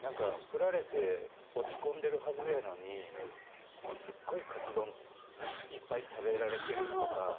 振られて落ち込んでるはずやのにすっごいカツ丼いっぱい食べられてるとか。